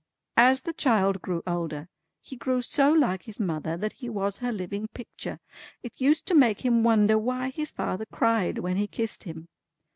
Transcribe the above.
As the child grew older, he grew so like his mother that he was her living picture. It used to make him wonder why his father cried when he kissed him.